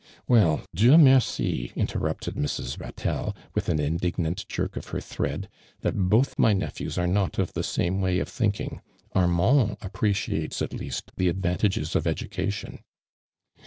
" Well, Dieii incfi !'' inteirupted Mrs. Hat«.'lle, with an indignant jerk of her thread, "that both my nepliews are not of the same way of thinking. Armanrl a])i)reciates at least the advantages of education."